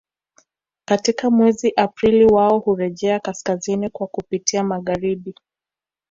Katika mwezi Aprili wao hurejea kaskazini kwa kupitia magharibi